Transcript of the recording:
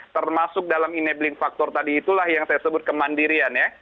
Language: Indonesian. termasuk dalam enabling factor tadi itulah yang saya sebut kemandirian ya